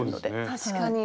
確かに。